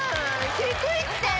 低いって。